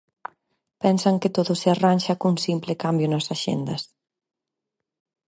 Pensan que todo se arranxa cun simple cambio nas axendas.